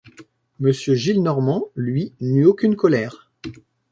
Monsieur Gillenormand, lui, n’eut aucune colère.